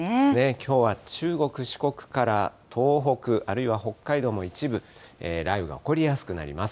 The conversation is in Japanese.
きょうは中国、四国から東北、あるいは北海道も一部、雷雨が起こりやすくなります。